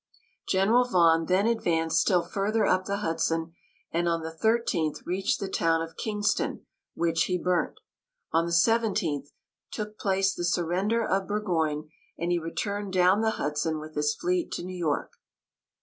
General Vaughan then advanced still further up the Hudson, and on the 13th reached the town of Kingston, which he burnt. On the 17th, took place the surrender of Burgoyne, and he returned down the Hudson with his fleet to New York.